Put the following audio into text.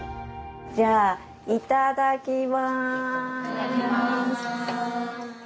じゃあいただきます。